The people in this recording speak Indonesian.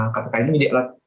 kpk ini menjadi alat